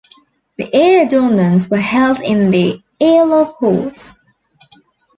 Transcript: The ear adornments were held in the earlobe holes.